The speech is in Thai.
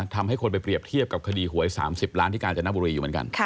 ทำให้คนไปเรียบเทียบกับคดีหวย๓๐ล้านที่กาญจนบุรีอยู่เหมือนกัน